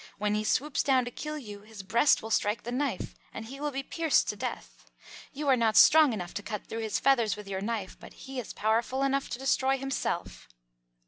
When he swoops down to kill you his breast will strike the knife, and he will be pierced to death. You are not strong enough to cut through his feathers with your knife, but he is powerful enough to destroy himself."